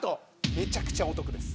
めちゃくちゃお得です。